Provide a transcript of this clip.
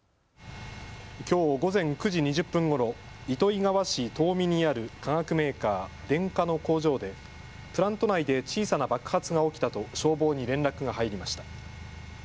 きょう午前９時２０分ごろ、糸魚川市田海にある化学メーカー、デンカの工場でプラント内で小さな爆発が起きたと消防に連絡が入りました。